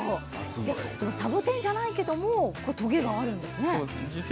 サボテンじゃないけどトゲがあるんですね。